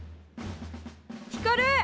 ひかる！